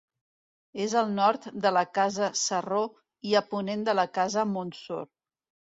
És al nord de la Casa Sarró i a ponent de la Casa Montsor.